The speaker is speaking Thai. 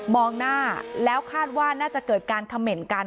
หน้าแล้วคาดว่าน่าจะเกิดการเขม่นกัน